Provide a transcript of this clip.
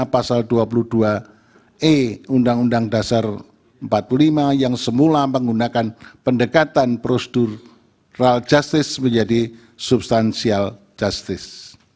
halaman delapan belas sembilan belas dianggap telah dibacakan